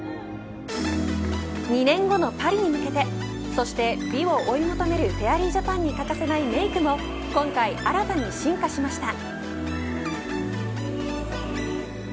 ２年後のパリに向けてそして美を追い求めるフェアリージャパンに欠かせないメークも今回、新たに進化しました。